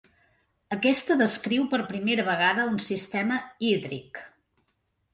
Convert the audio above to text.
Aquesta descriu per primera vegada un sistema hídric.